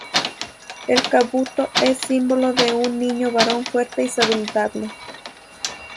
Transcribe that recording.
El "kabuto" es símbolo de un niño varón fuerte y saludable.